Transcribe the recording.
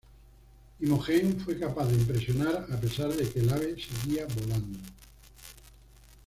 Imogen fue capaz de impresionar, a pesar de que el ave seguía volando.